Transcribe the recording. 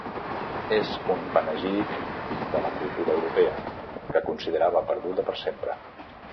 És un panegíric de la cultura europea, que considerava perduda per sempre.